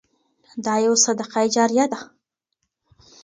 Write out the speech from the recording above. دا يو صدقه جاريه ده.